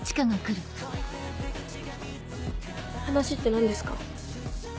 話って何ですか？